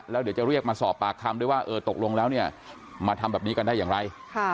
แล้วเดี๋ยวจะเรียกมาสอบปากคำด้วยว่าเออตกลงแล้วเนี่ยมาทำแบบนี้กันได้อย่างไร